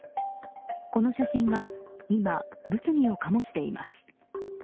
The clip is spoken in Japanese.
この写真が今物議を醸しています。